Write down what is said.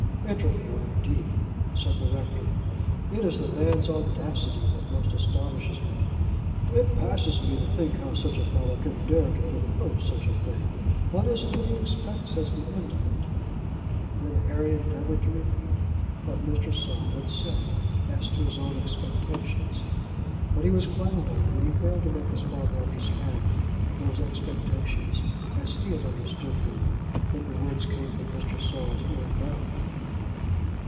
"Interview, indeed!" said the rector. "It is the man's audacity that most astonishes me. It passes me to think how such a fellow can dare to propose such a thing. What is it that he expects as the end of it?" Then Harry endeavoured to repeat what Mr. Saul had said as to his own expectations, but he was quite aware that he failed to make his father understand those expectations as he had understood them when the words came from Mr. Saul's own mouth.